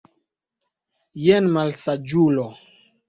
Jen, malsaĝulo!